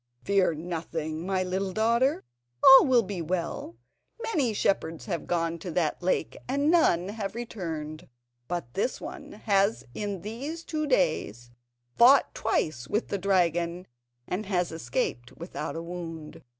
"Fear nothing, my little daughter, all will be well. Many shepherds have gone to that lake and none have ever returned; but this one has in these two days fought twice with the dragon and has escaped without a wound.